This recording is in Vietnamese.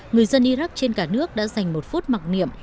người dân iraq trên cả nước đã dành một phút mặc niệm